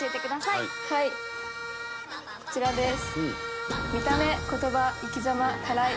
はいこちらです。